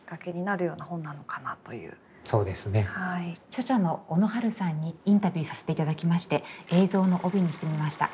著者の小野春さんにインタビューさせていただきまして映像の帯にしてみました。